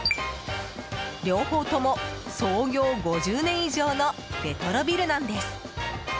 両方とも創業５０年以上のレトロビルなんです。